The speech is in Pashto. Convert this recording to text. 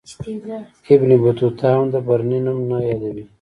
ابن بطوطه هم د برني نوم نه یادوي.